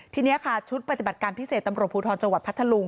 ทีนี้ค่ะชุดปฏิบัติการพิเศษตำรวจภูทรจังหวัดพัทธลุง